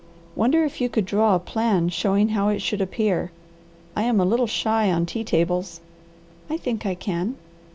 "Wonder if you could draw a plan showing how it should appear. I am a little shy on tea tables." "I think I can."